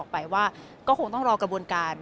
ก็ไม่ได้รับแจ้งจากตำรวจแต่ว่าเรายังไม่ได้รับแจ้งจากตำรวจ